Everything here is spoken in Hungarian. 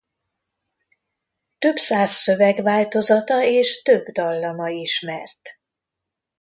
Több száz szövegváltozata és több dallama ismert.